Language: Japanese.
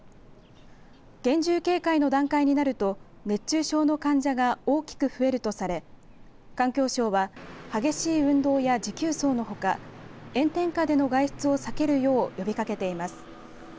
厳重警戒の段階になると熱中症の患者が大きく増えるとされ環境省は激しい運動や持久走のほか炎天下での外出を避けるよう呼びかけています。